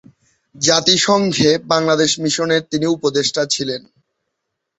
জাতিসংঘে বাংলাদেশ মিশনের তিনি উপদেষ্টা ছিলেন।